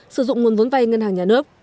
sử dụng nguồn vốn vay ngân hàng nhà nước